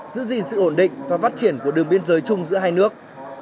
giữ gìn sự ổn định và phát triển của đường biên giới chung giữa hai nước